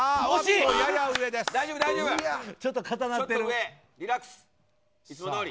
ちょっとかたなってる。